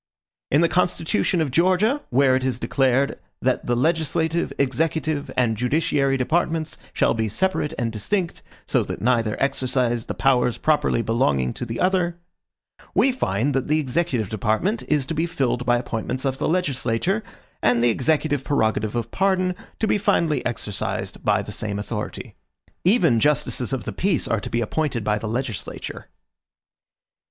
In the constitution of Georgia, where it is declared "that the legislative, executive, and judiciary departments shall be separate and distinct, so that neither exercise the powers properly belonging to the other," we find that the executive department is to be filled by appointments of the legislature; and the executive prerogative of pardon to be finally exercised by the same authority. Even justices of the peace are to be appointed by the legislature.